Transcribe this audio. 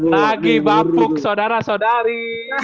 lagi bapuk saudara saudari